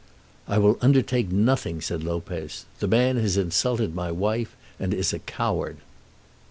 "I will undertake nothing," said Lopez. "The man has insulted my wife, and is a coward."